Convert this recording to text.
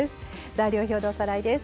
材料表でおさらいです。